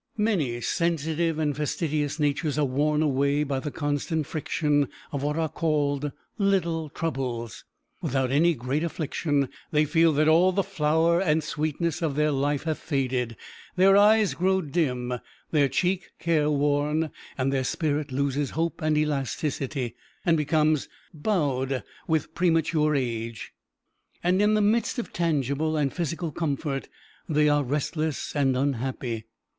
Many sensitive and fastidious natures are worn away by the constant friction of what are called little troubles. Without any great affliction, they feel that all the flower and sweetness of their life have faded; their eye grows dim, their cheek care worn, and their spirit loses hope and elasticity, and becomes bowed with premature age; and in the midst of tangible and physical comfort, they are restless and unhappy.